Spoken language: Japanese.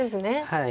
はい。